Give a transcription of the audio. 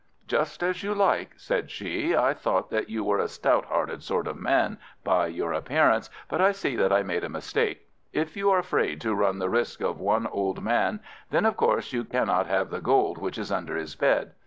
"Just as you like," said she. "I thought that you were a stout hearted sort of man by your appearance, but I see that I made a mistake. If you are afraid to run the risk of one old man, then of course you cannot have the gold which is under his bed.